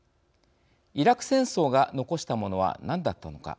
イラク戦争が残したものは何だったのか。